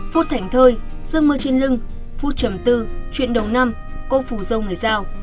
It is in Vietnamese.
phút thảnh thơi dương mưa trên lưng phút trầm tư chuyện đầu năm cô phủ dâu người giao